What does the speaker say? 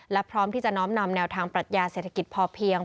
และพร้อมที่จะน้อมนำแนวทางปรัชญาเศรษฐกิจพอเพียง